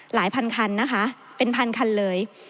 พันคันนะคะเป็นพันคันเลย